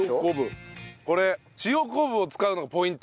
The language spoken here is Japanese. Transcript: これ塩昆布を使うのがポイント。